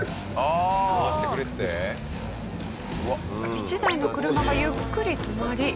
１台の車がゆっくり止まり。